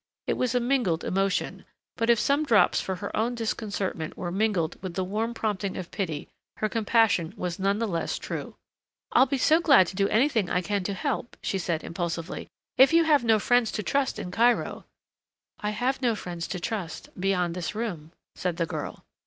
It was a mingled emotion, but if some drops for her own disconcertment were mingled with the warm prompting of pity, her compassion was none the less true. "I'll be so glad to do anything I can to help," she said impulsively. "If you have no friends to trust in Cairo " "I have no friends to trust beyond this room," said the girl.